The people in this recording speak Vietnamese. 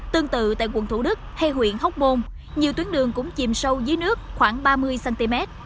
tương tự tại quận thủ đức hay huyện hóc môn nhiều tuyến đường cũng chìm sâu dưới nước khoảng ba mươi cm